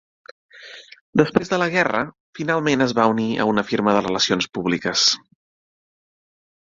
Després de la guerra, finalment es va unir a una firma de relacions públiques.